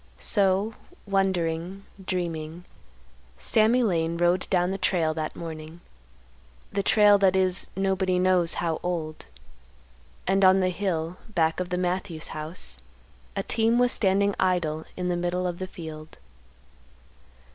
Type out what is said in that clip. So, wondering, dreaming, Sammy Lane rode down the trail that morning—the trail that is nobody knows how old. And on the hill back of the Matthews house a team was standing idle in the middle of the field.